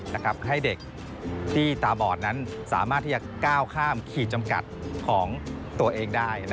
ให้เด็กที่ตาบอดนั้นสามารถที่จะก้าวข้ามขีดจำกัดของตัวเองได้